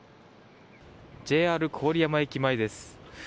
ＪＲ郡山駅前です。